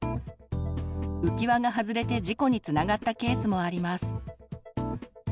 浮き輪が外れて事故につながったケースもあります。